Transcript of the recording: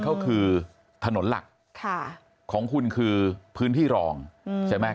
ก็คือถนนหลักของคุณคือพื้นที่รองใช่ไหม